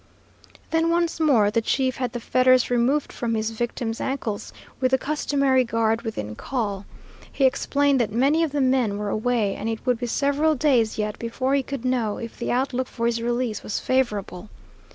Then once more the chief had the fetters removed from his victim's ankles, with the customary guard within call. He explained that many of the men were away, and it would be several days yet before he could know if the outlook for his release was favorable.